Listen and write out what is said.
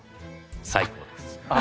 最高です。